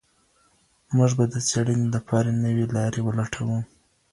موږ به د څېړنې لپاره نوي لاري ولټوو.